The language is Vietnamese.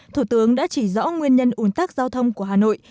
thủ tướng đã chỉ rõ nguyên nhân ủn tắc giao thông của hà nội